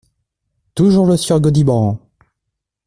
Toujours le sieur Gaudiband !